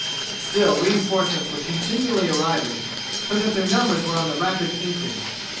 But still reinforcements were continually arriving, so that their numbers were on the rapid increase.